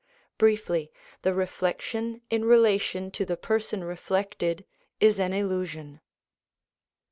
Briefly, the reflec tion in relation to the person reflected is an illusion.